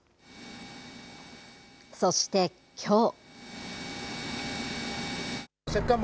そしてきょう。